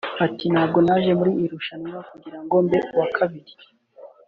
Ati “Ntabwo naje muri iri rushanwa kugira ngo mbe uwa kabiri